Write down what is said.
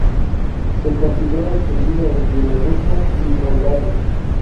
Se considera extinguido en Bielorrusia y Moldavia